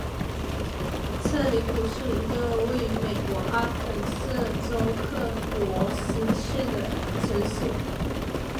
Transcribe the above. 彻里谷是一个位于美国阿肯色州克罗斯县的城市。